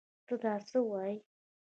تۀ دا څه وايې ؟